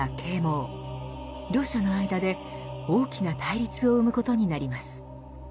両者の間で大きな対立を生むことになります。